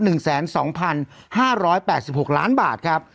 หนึ่งแสนสองพันห้าร้อยแปดสิบหกล้านบาทครับ